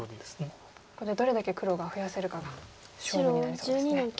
ここでどれだけ黒が増やせるかが勝負になりそうですね。